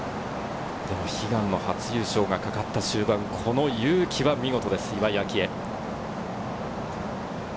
悲願の初優勝がかかった終盤、この勇気は見事です、岩井明愛。